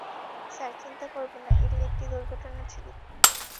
Sir চিন্তা করবেন না, এটি একটি দুর্ঘটনা ছিল।